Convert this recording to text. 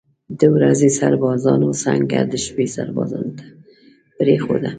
د ورځې سربازانو سنګر د شپې سربازانو ته پرېښوده.